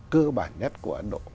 cơ bản nhất của ấn độ